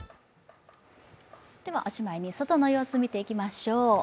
おしまいに外の様子、見ていきましょう。